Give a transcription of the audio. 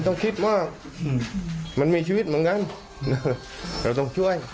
ไม่ต้องคิดมากมันมีชีวิตเหมือนกัน